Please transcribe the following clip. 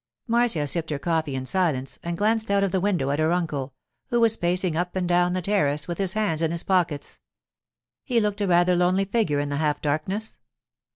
Marcia sipped her coffee in silence and glanced out of the window at her uncle, who was pacing up and down the terrace with his hands in his pockets. He looked a rather lonely figure in the half darkness.